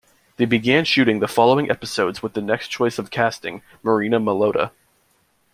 They began shooting the following episodes with the next choice in casting, Marina Malota.